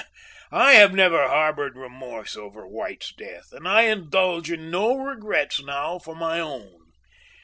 I have never harbored remorse over White's death, and I indulge in no regrets now for my own.